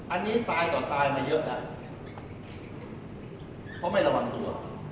อันนี้ตายก่อนตายมาเยอะนานเพราะไม่ระวังตัว